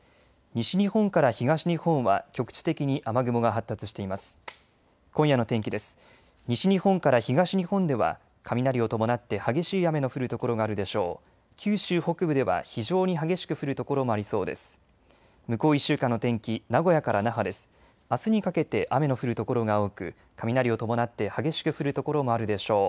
西日本から東日本では雷を伴って激しい雨の降る所があるでしょう。